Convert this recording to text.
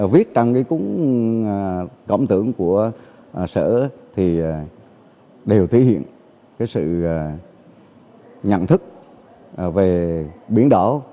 viết trong cái cổng tưởng của sở thì đều thể hiện cái sự nhận thức về biển đỏ